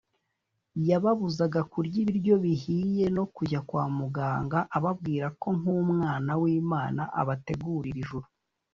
yababuzaga kurya ibiryo bihiye no kujya kwa muganga ababwira ko nk’umwana w’Imana abategurira ijuru